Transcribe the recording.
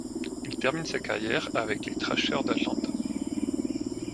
Il termine sa carrière avec les Thrashers d'Atlanta.